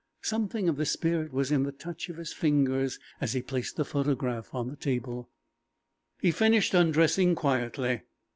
Something of this spirit was in the touch of his fingers as he placed the photograph on the table. He finished undressing quietly.